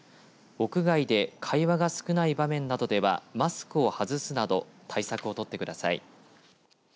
屋外で会話が少ない場面などではマスクを外すなど対策を取ってください。